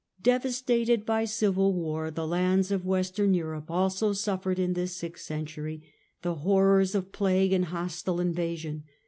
Devastated by civil war, the lands of Western Europe also suffered, in this sixth century, the horrors of plague and hostile invasion.